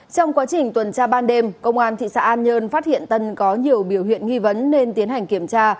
trong quá trình tuần tra ban đêm công an thị xã an nhơn phát hiện tân có nhiều biểu hiện nghi vấn nên tiến hành kiểm tra